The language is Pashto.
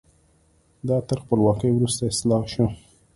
دا تر خپلواکۍ وروسته اصلاح شو.